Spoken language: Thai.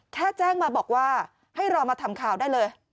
แค่แจ้งมาบอกว่าให้รอมาทำข่าวได้เลย